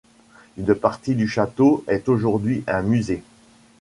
Une partie du château est aujourd'hui un musée.